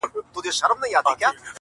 ما خوب كړى جانانه د ښكلا پر ځـنــگانــه،